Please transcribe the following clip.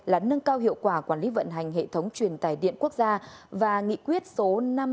là nâng cao hiệu quả quản lý vận hành hệ thống truyền tải điện quốc gia và nghị quyết số năm mươi bốn nghìn năm trăm tám mươi tám